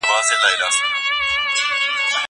زه اجازه لرم چي پاکوالی وکړم!؟